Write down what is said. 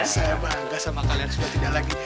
saya bangga sama kalian sudah tidak lagi